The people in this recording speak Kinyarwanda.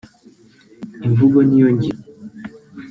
imvugo niyo ngiro